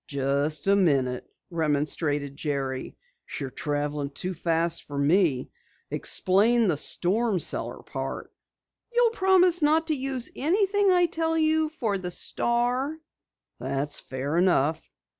"Just a minute," remonstrated Jerry. "You're traveling too fast for me. Explain the storm cellar part." "You'll promise not to use anything I tell you for the Star?" "That's fair enough."